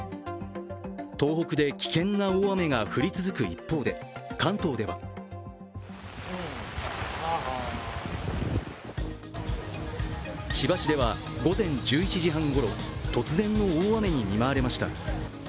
東北で危険な大雨が降り続く一方で関東では千葉市では午前１１時半ごろ、突然の大雨に見舞われました。